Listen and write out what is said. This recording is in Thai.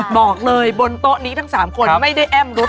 บอกเลยบนโต๊ะนี้ทั้ง๓คนไม่ได้แอ้มลุก